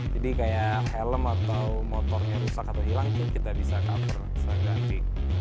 jadi kayak helm atau motornya rusak atau hilang kita bisa cover bisa ganti